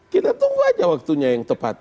kita tunggu aja waktunya yang tepat